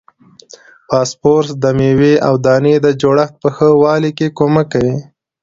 فاسفورس د میوې او دانې د جوړښت په ښه والي کې کومک کوي.